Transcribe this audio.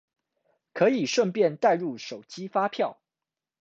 可以順便帶入手機發票